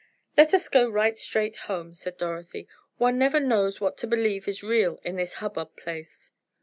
"Let us go right straight home," said Dorothy. "One never knows what to believe is real in this hub bub place."